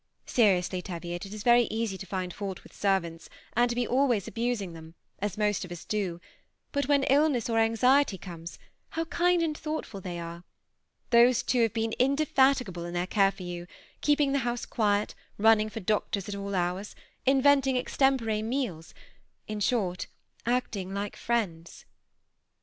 Seriously, Teviot, it is very easy to find fault with servants, and to be always abusing them, as most of us do, but when illness or anxiety comes, how kind and thoughtful they are ! Those two have been indefatigable in their care of you, keeping the house quiet, running for doctors at all hours, inventing extem pore meals ; in short, acting like friends."